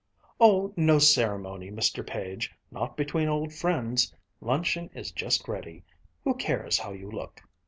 "Oh, no ceremony, Mr. Page, not between old friends. Luncheon is just ready who cares how you look?"